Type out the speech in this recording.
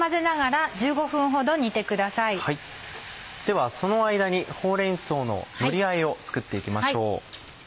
ではその間にほうれん草ののりあえを作って行きましょう。